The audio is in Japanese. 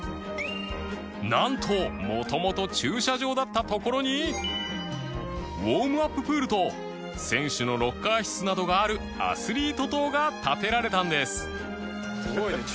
なんと元々駐車場だった所にウォームアッププールと選手のロッカー室などがあるアスリート棟が建てられたんです